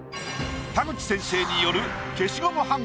田口先生による消しゴムはん